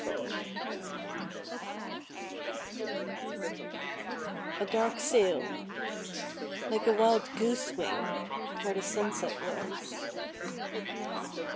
PASSAGE A dark sail, Like a wild goose wing, Where the sunset was.